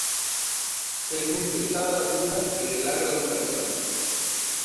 Es muy pesada, dura y de larga duración.